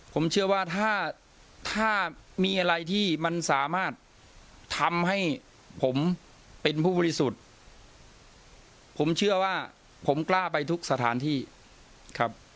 ผมเชื่อว่าถ้าถ้ามีอะไรที่มันสามารถทำให้ผมเป็นผู้บริสุทธิ์ผมเชื่อว่าผมกล้าไปทุกสถานที่ครับ